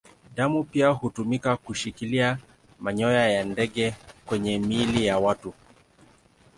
Damu pia hutumika kushikilia manyoya ya ndege kwenye miili ya watu.